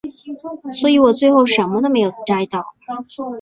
所以我最后什么都没有摘到